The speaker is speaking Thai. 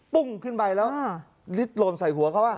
ปุ้งขึ้นไปแล้วลิดหล่นใส่หัวเขา